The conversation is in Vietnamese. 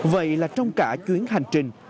vậy là trong cả chuyến hành trình